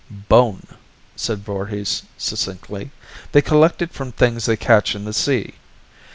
"Bone," said Voorhis succinctly. "They collect it from things they catch in the sea.